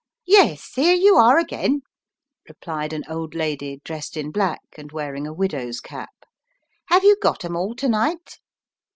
"Yes, here you are again," replied an old lady, dressed in black, and wearing a widow's cap. "Have you got 'em all to night?"